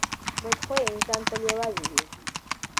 بد خویه انسان تل یوازې وي.